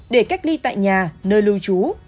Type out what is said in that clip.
để cách ly tại nhà nơi lưu trú